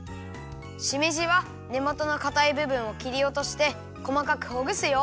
しめじはねもとのかたいぶぶんをきりおとしてこまかくほぐすよ。